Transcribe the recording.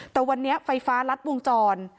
แต่วันนี้ไฟฟ้ารัดวงจร